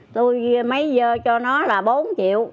tôi mấy giờ cho nó là bốn triệu